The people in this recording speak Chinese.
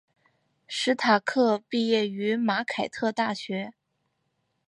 史塔克毕业于马凯特大学。